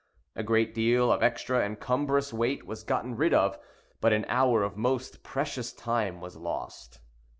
A great deal of extra and cumbrous weight was gotten rid of, but an hour of most precious time was lost.